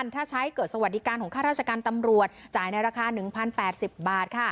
ถ้าใช้เกิดสวัสดิการของข้าราชการตำรวจจ่ายในราคา๑๐๘๐บาท